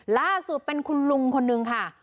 ล่าสุดเป็นคุณลุงคนนึงค่ะ